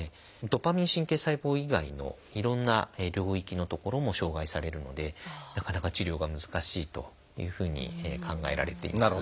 ドパミン神経細胞以外のいろんな領域の所も障害されるのでなかなか治療が難しいというふうに考えられています。